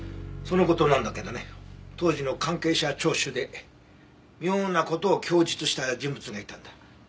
その事なんだけどね当時の関係者聴取で妙な事を供述した人物がいたんだ。